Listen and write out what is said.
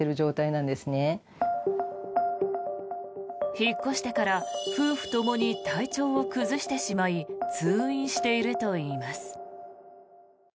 引っ越してから夫婦ともに体調を崩してしまい通院しているといいます。